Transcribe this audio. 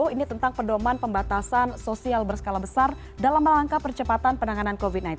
ini tentang pedoman pembatasan sosial berskala besar dalam rangka percepatan penanganan covid sembilan belas